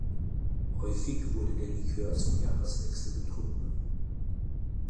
Häufig wurde der Likör zum Jahreswechsel getrunken.